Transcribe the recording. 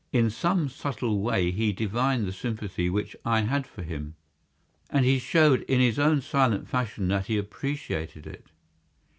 In some subtle way he divined the sympathy which I had for him, and he showed in his own silent fashion that he appreciated it.